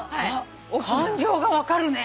感情が分かるね。